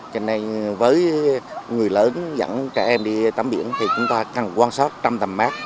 cho nên với người lớn dẫn trẻ em đi tắm biển thì chúng ta cần quan sát trong tầm mát